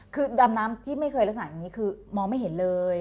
คือดำน้ำที่ไม่เคยลักษณะอย่างนี้คือมองไม่เห็นเลย